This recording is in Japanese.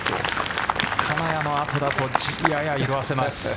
金谷の後だとやや色あせます。